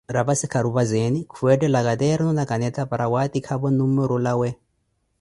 Rapassi kharupazeni khweethela caternu na kaneta para watikavo lummeru lawe.